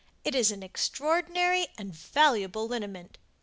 It is an extraordinary and valuable liniment.